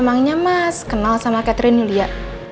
emangnya mas kenal sama catherine yulia